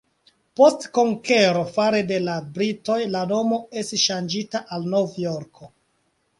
Post konkero fare de la britoj la nomo estis ŝanĝita al Novjorko.